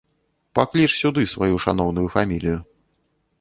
Пакліч сюды сваю шаноўную фамілію.